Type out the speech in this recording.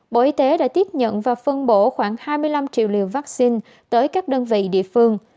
bộ y tế đã tiếp nhận và phân bổ khoảng hai mươi năm triệu liều vaccine tới các đơn vị địa phương